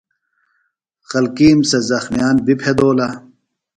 خلکِیم سےۡ زخمِیان بیۡ پھیدولہ۔